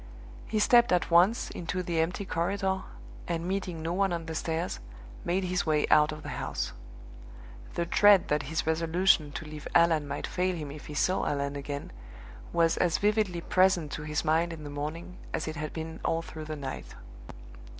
He stepped at once into the empty corridor, and meeting no one on the stairs, made his way out of the house. The dread that his resolution to leave Allan might fail him if he saw Allan again was as vividly present to his mind in the morning as it had been all through the night.